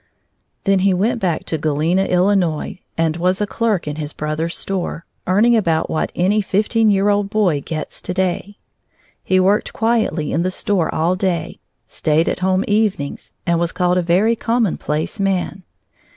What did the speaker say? Then he went back to Galena, Illinois, and was a clerk in his brother's store, earning about what any fifteen year old boy gets to day. He worked quietly in the store all day, stayed at home evenings, and was called a very "commonplace man."